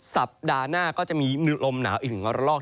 สัปดาห์หน้าก็จะมีลมหนาวอีกหนึ่งระลอก